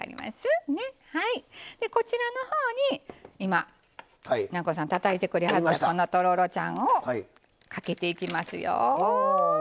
こちらのほうに、南光さんたたいてくれはったとろろちゃんをかけていきますよ。